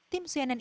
tim cnn indonesia